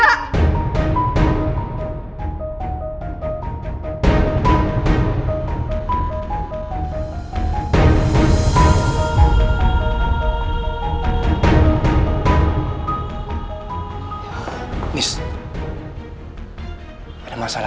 aku ingin tahu apa yang kamu inginkan